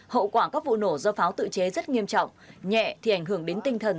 hậu quả các vụ nổ do pháo tự chế rất nghiêm trọng nhẹ thì ảnh hưởng đến tinh thần